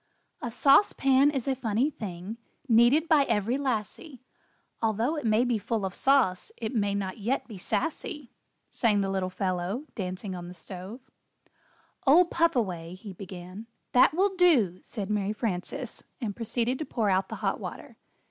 "A Sauce Pan is a funny thing, Needed by every lassie, Although it may be full of sauce It may not yet be sassy," sang the little fellow, dancing on the stove. [Illustration: "A Sauce Pan is a funny thing."] "Old Puff away," he began. "That will do!" said Mary Frances, and proceeded to pour out the hot water.